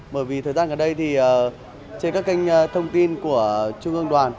bởi vì thời gian gần đây thì trên các kênh thông tin của trung ương đoàn